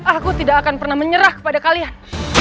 aku tidak akan pernah menyerah kepada kalian